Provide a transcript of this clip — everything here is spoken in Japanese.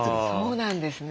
そうなんですね。